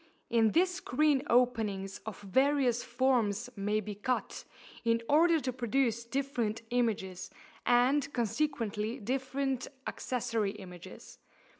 In this screen openings of various forms may be cut, in order to produce different images, and consequently different accessory images.